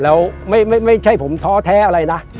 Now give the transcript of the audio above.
แล้วไม่ใช่ผมท้อแท้อะไรนะ